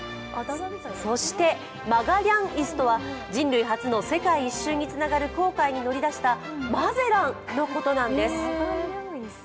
そしてマガリャンイスとは人類初の世界一周につながる航海に乗り出したマゼランのことなんです。